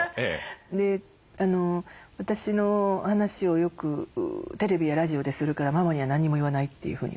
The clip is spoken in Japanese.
で「私の話をよくテレビやラジオでするからママには何も言わない」というふうに。